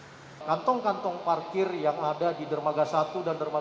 di antri masuk ke lambung kapal kantong kantong parkir yang ada di dermaga satu dan dermaga dua